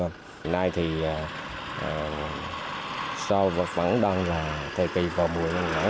hôm nay thì sau vợt vắng đông là thời kỳ vào buổi